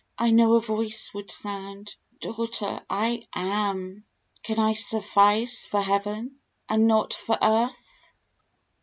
I know a Voice would sound, " Daughter, I AM. Can I suffice for Heaven, and not for earth